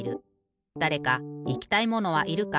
だれかいきたいものはいるか？